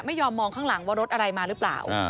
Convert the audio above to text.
ไม่ยอมมองข้างหลังว่ารถอะไรมาหรือเปล่า